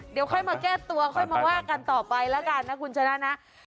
เดี๋ยวค่อยมาแก้ตัวค่อยมาว่ากันต่อไปแล้วกันนะคุณชนะนะ